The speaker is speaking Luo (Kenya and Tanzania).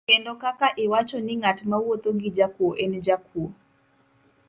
Kendo kaka iwacho ni ng'at mawuotho gi jakuo en jakuo.